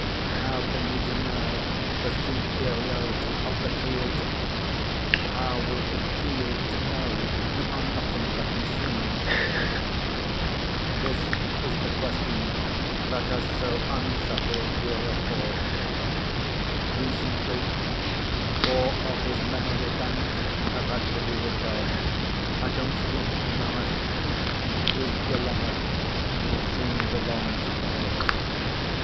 How can we deny the superiority of the Creator? How will it feel to know we are nothing but machines? This is the question that has so unsettled DIRA IV. Recently four of his memory banks have had to be repaired. I don't speak in malice. His dilemma will soon belong to all of us.